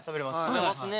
食べますね。